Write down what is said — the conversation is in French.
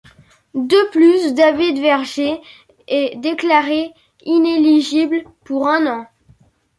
De plus, David Vergé est déclaré inéligible pour un an.